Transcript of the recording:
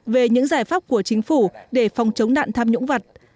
về những giải pháp của chính phủ để phòng chống nạn tham nhũng vật